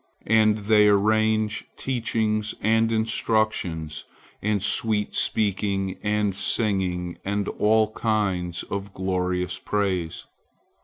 And they arrange teachings and instructions and sweet speaking and singing and all kinds of glorious praise.